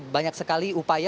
banyak sekali upaya